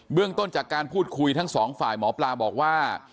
เรื่องต้นจากการพูดคุยทั้งสองฝ่ายหมอปลาบอกว่า